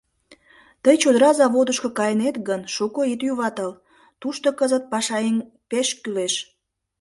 Тый чодыра заводышко кайынет гын, шуко ит юватыл: тушто кызыт пашаеҥ пеш кӱлеш.